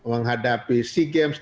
menghadapi sea games